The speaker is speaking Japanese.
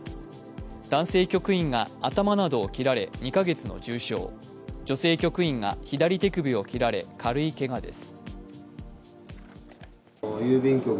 男性局員が頭などを切られ、２か月の重傷、女性局員が左手首を切られ軽いけがです。